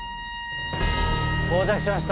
到着しました。